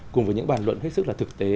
cùng với những bàn luận hết sức là thực tế